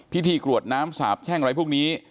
พิธีกรวดน้ำสาบแช่งอะไรพวกนี้